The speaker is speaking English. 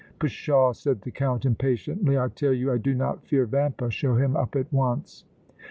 "Pshaw!" said the Count, impatiently. "I tell you I do not fear Vampa. Show him up at once."